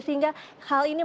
sehingga hal ini menjadikan